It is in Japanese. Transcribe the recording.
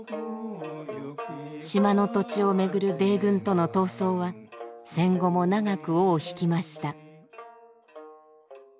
島の土地を巡る米軍との闘争は戦後も長く尾を引きました。